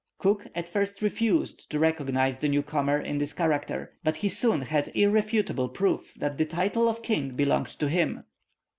Cook at first refused to recognize the new comer in this character, but he soon had irrefutable proof that the title of king belonged to him.